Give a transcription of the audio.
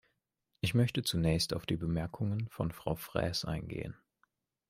Ich möchte zunächst auf die Bemerkungen von Frau Fraisse eingehen.